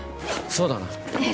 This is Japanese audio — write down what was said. そうだなね